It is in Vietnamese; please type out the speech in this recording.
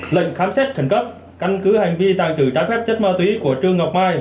lệnh khám xét thành cấp canh cứ hành vi tàn trừ trái phép chất ma túy của trương ngọc mai